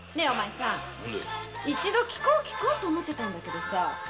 お前さん一度聞こう聞こうと思ってたんだけどさ。